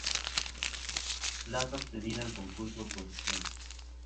Plaza obtenida en concurso oposición.